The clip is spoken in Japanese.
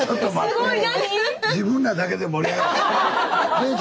すごい！